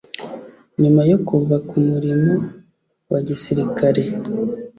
Nyuma yo kuva ku murimo wa gisirikare